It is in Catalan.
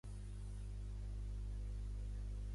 A l'oest limita amb Frankfurt del Main.